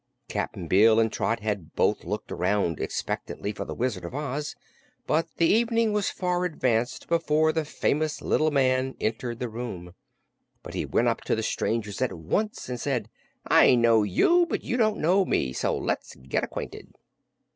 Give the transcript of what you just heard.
Cap'n Bill and Trot had both looked around expectantly for the Wizard of Oz, but the evening was far advanced before the famous little man entered the room. But he went up to the strangers at once and said: "I know you, but you don't know me; so let's get acquainted."